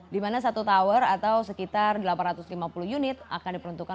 di mana satu tower atau sekitar delapan ratus lima puluh unit akan diperuntukkan